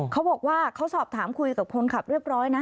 เขาบอกว่าเขาสอบถามคุยกับคนขับเรียบร้อยนะ